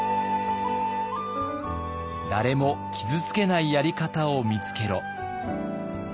「誰も傷つけないやり方を見つけろ！」。